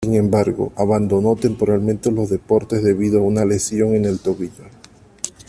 Sin embargo, abandonó temporalmente los deportes debido a una lesión en el tobillo.